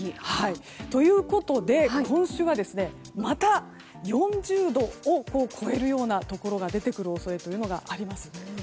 ということで今週は、また４０度を超えるようなところが出てくる恐れがあります。